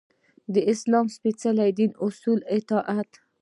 د اسلام د سپیڅلي دین اصولو اطاعت.